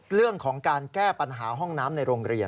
เรื่องของการแก้ปัญหาห้องน้ำในโรงเรียน